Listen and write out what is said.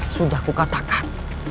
sudah aku katakan